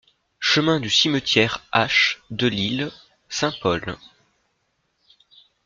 Chemin du Cimetière H Delisle, Saint-Paul